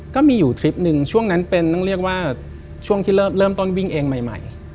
ก็มีอยู่ทริปหนึ่งช่วงนั้นเป็นต้องเรียกว่าช่วงที่เริ่มต้นวิ่งเองใหม่